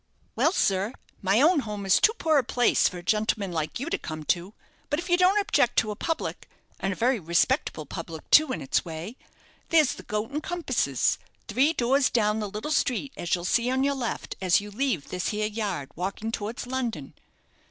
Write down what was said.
"Well, sir, my own home is too poor a place for a gentleman like you to come to; but if you don't object to a public and a very respectable public, too, in its way there's the 'Goat and Compasses,' three doors down the little street as you'll see on your left, as you leave this here yard, walking towards London."